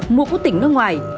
mua quốc tịch nước ngoài